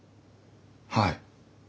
はい。